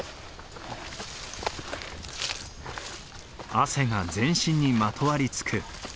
汗が全身にまとわりつく。